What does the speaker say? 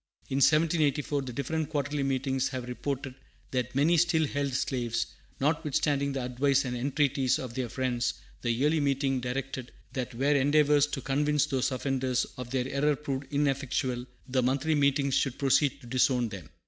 In 1784, the different Quarterly Meetings having reported that many still held slaves, notwithstanding the advice and entreaties of their friends, the Yearly Meeting directed that where endeavors to convince those offenders of their error proved ineffectual, the Monthly Meetings should proceed to disown them.